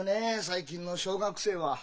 最近の小学生は！